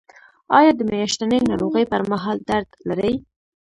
ایا د میاشتنۍ ناروغۍ پر مهال درد لرئ؟